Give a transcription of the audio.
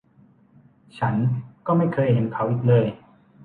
ฉันก็ไม่เคยเห็นเขาอีกเลย